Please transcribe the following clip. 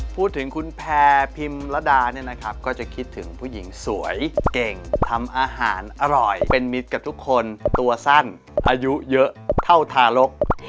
พูดถึงคุณแพรพิมระดาเนี่ยนะครับก็จะคิดถึงผู้หญิงสวยเก่งทำอาหารอร่อยเป็นมิตรกับทุกคนตัวสั้นอายุเยอะเท่าทารก